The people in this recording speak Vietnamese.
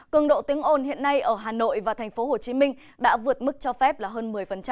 cường độ tiếng ổn hiện nay ở hà nội và thành phố hồ chí minh đã vượt mức cho phép hơn một mươi